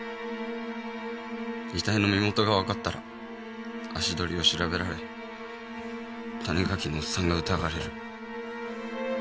遺体の身元がわかったら足取りを調べられ谷垣のおっさんが疑われる。